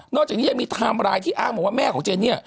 จากนี้ยังมีไทม์ไลน์ที่อ้างบอกว่าแม่ของเจนเนี่ย